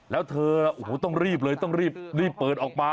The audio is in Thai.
แล้วเธอต้องรีบเลยต้องรีบรีบเปิดออกมา